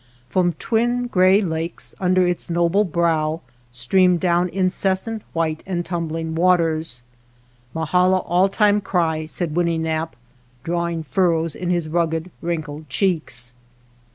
From twin gray lakes under its noble brow stream down incessant white and tumbling waters. " Mahala all time cry," said Winnenap', drawing furrows in his rugged, wrinkled cheeks.